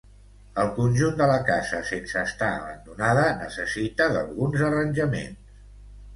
El conjunt de la casa, sense estar abandonada, necessita alguns arranjaments.